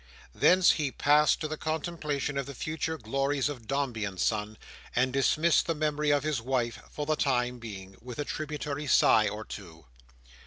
Thence he passed to the contemplation of the future glories of Dombey and Son, and dismissed the memory of his wife, for the time being, with a tributary sigh or two.